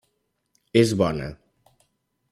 És bona.